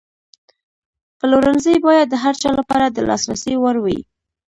پلورنځی باید د هر چا لپاره د لاسرسي وړ وي.